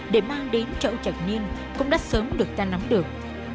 để mang đến chỗ trạch nhiên cũng đã sớm được ta nắm được